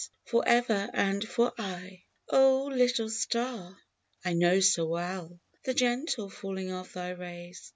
for ever and for aye ! Oh ! little Star ! I know so well The gentle falling of thy rays